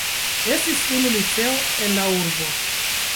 Estis unu liceo en la urbo.